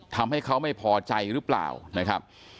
ทำให้เขาไม่พอใจรึเปล่า